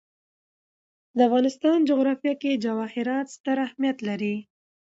د افغانستان جغرافیه کې جواهرات ستر اهمیت لري.